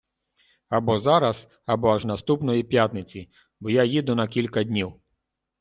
Або зараз, або аж наступної п'ятниці, бо я їду на кілька днів.